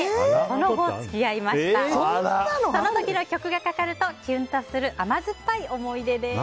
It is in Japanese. その時の曲がかかるとキュンとする甘酸っぱい思い出です。